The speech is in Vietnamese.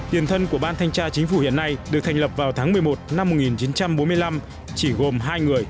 tiền thân của ban thanh tra chính phủ hiện nay được thành lập vào tháng một mươi một năm một nghìn chín trăm bốn mươi năm chỉ gồm hai người